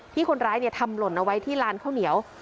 ที่คนร้ายทำหล่นเอาไว้ที่ร้านข้าวเหนียว